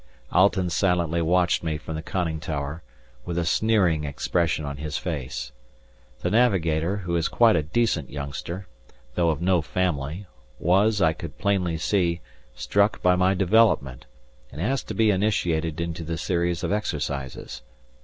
Alten silently watched me from the conning tower, with a sneering expression on his face. The navigator, who is quite a decent youngster, though of no family, was, I could plainly see, struck by my development, and asked to be initiated into the series of exercises.